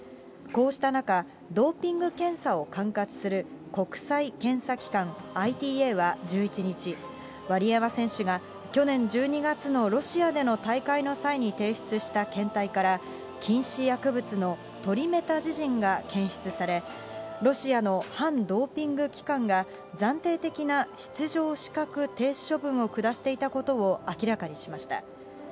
こうした中、ドーピング検査を管轄する国際検査機関、ＩＴＡは１１日、ワリエワ選手が、去年１２月のロシアでの大会の際に提出した検体から、禁止薬物のトリメタジジンが検出され、ロシアの反ドーピング機関が暫定的な出場資格停止処分を下していたことを明らかにしました。